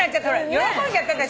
喜んじゃった私。